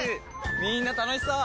みんな楽しそう！